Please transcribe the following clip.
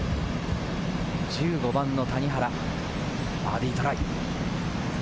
１５番の谷原、バーディートライ。